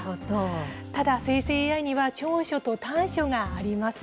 ただ、生成ＡＩには、長所と短所があります。